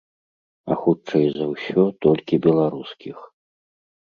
А хутчэй за ўсё, толькі беларускіх.